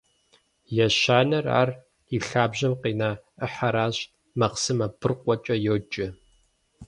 Ещанэр, ар и лъабжьэм къина ӏыхьэращ, махъсымэ быркъукӏэ йоджэ.